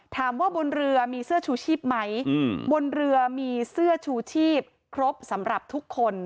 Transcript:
บนเรือมีเสื้อชูชีพไหมบนเรือมีเสื้อชูชีพครบสำหรับทุกคน